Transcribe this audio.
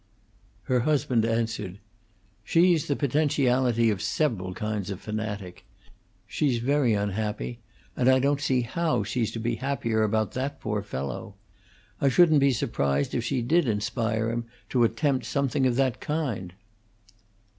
Her husband answered: "She's the potentiality of several kinds of fanatic. She's very unhappy, and I don't see how she's to be happier about that poor fellow. I shouldn't be surprised if she did inspire him to attempt something of that kind."